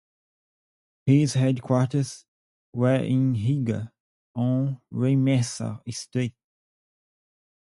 His headquarters were in Riga, on Reimersa Street.